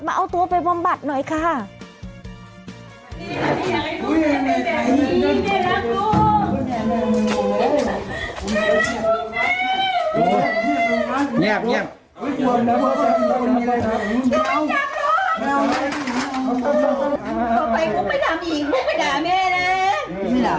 แม่ไม่เข้าใจอะไรแม่ก็เข้าใจว่าลูกอะติดยา